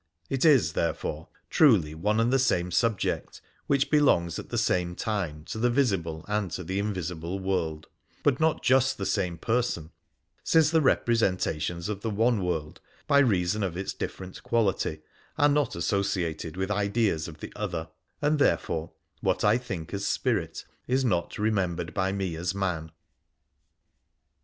It is, therefore, truly one and the same subject, which belongs at the same time to the visible and to the invisible world, but not just the same person, since the representations of the one world, by reason of its different quality, are not associated with ideas of the other, and therefore what I think as spirit is not remembered by me as man.'